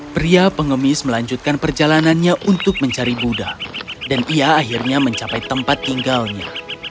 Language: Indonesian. pria pengemis melanjutkan perjalanannya untuk mencari buddha dan ia akhirnya mencapai tempat tinggalnya